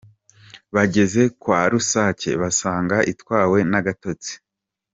Bageze kwa rusake, basanga itwawe n’agatotsi.